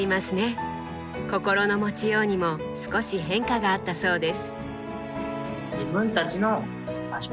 心の持ちようにも少し変化があったそうです。